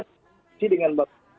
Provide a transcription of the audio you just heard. sisi dengan bang gulat